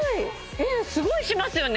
えっすごいしますよね